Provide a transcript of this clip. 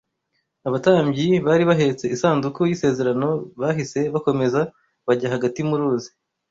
Abatambyi bari bahetse isanduku y’isezerano bahise bakomeza bajya hagati mu ruzi